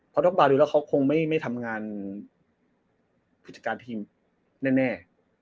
เพราะด็อกบาร์ดูแล้วเขาคงไม่ทำงานพิจารณาทีแน่